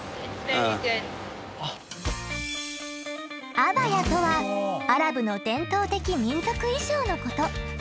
アバヤとはアラブの伝統的民族衣装のこと。